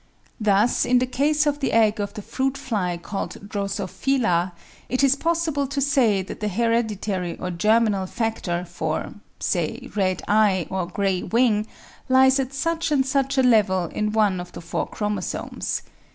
Thus in the case of the egg of the fruit fly called Drosophila, it is possible to say that the hereditary or germinal factor for, say, red eye or grey wing, lies at such and such a level in one of the four chromosomes.